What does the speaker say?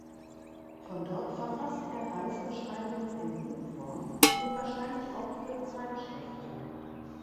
Von dort verfasste er Reisebeschreibungen in Buchform und wahrscheinlich auch für Zeitschriften.